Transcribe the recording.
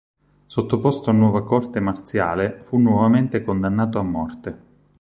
Sottoposto a nuova corte marziale fu nuovamente condannato a morte.